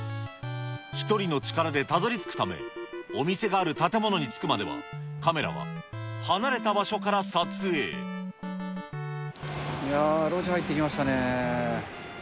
１人の力でたどりつくため、お店がある建物に着くまではカメいやー、路地入ってきましたね。